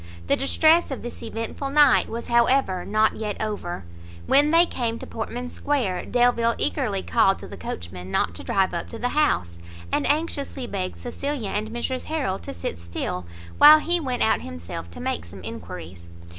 The distress of this eventful night was however not yet over; when they came to Portman square, Delvile eagerly called to the coachman not to drive up to the house, and anxiously begged Cecilia and Mrs Harrel to sit still, while he went out himself to make some enquiries.